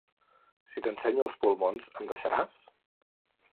Si t’ensenyo els pulmons, em deixaràs?